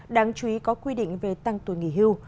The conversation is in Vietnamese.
đáng chú ý có quy định về tăng tuổi nghỉ hưu